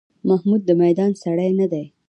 محمود د میدان سړی نه دی.